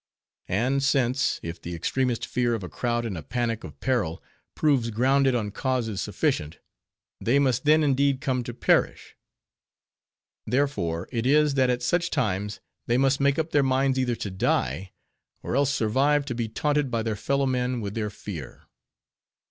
And since, if the extremest fear of a crowd in a panic of peril, proves grounded on causes sufficient, they must then indeed come to perish;—therefore it is, that at such times they must make up their minds either to die, or else survive to be taunted by their fellow men with their fear.